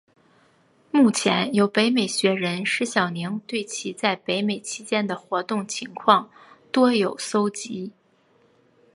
目前有北美学人石晓宁对其在北美期间的活动情况多有搜辑。